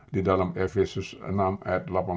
di dalam fus enam ayat delapan belas